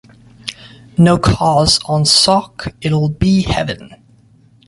No cars on Sark, it'll be heaven.